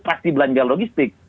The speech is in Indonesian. pasti belanja logistik